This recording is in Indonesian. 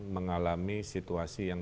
mengalami situasi yang